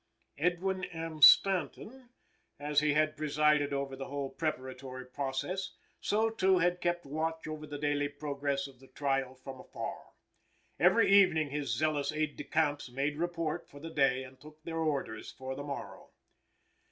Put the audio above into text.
Edwin M. Stanton, as he had presided over the whole preparatory process, so too had kept watch over the daily progress of the trial from afar. Every evening his zealous aide de camps made report for the day and took their orders for the morrow.